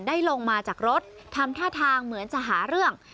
ลงมาจากรถทำท่าทางเหมือนจะหาเรื่อง